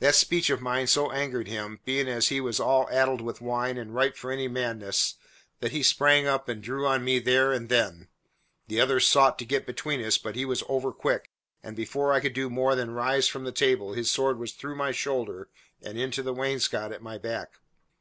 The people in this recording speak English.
That speech of mine so angered him, being as he was all addled with wine and ripe for any madness, that he sprang up and drew on me there and then. The others sought to get between us, but he was over quick, and before I could do more than rise from the table his sword was through my shoulder and into the wainscot at my back.